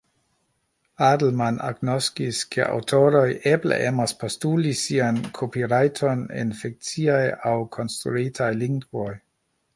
Adelman agnoskis ke aŭtoroj eble emas postuli sian kopirajton en fikciaj aŭ konstruitaj lingvoj